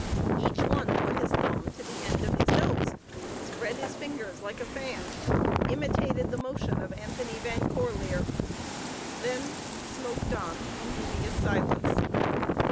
Each one put his thumb to the end of his nose, spread his fingers like a fan, imitated the motion of Anthony Van Corlear, then smoked on in dubious silence.